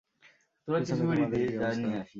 পিছনে তোমাদের কী অবস্থা?